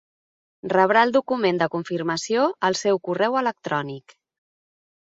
Rebrà el document de confirmació al seu correu electrònic.